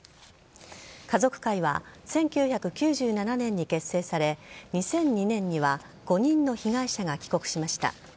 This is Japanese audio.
家族会は１９９７年に結成され２００２年には５人の被害者が帰国しました。